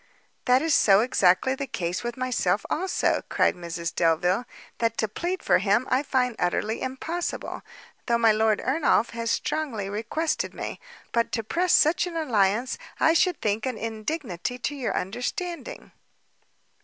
"That is so exactly the case with myself also," cried Mrs Delvile, "that to plead for him, I find utterly impossible, though my Lord Ernolf has strongly requested me; but to press such an alliance, I should think an indignity to your understanding."